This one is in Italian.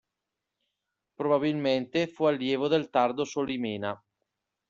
Probabilmente fu allievo del tardo Solimena.